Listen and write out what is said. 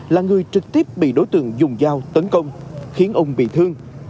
là người trực tiếp bị đối tượng dùng dao tấn công khiến ung bị thương